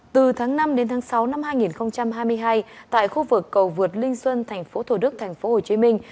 từ tháng năm đến tháng sáu năm hai nghìn hai mươi hai tại khu vực cầu vượt linh xuân thành phố thủ đức thành phố hồ chí minh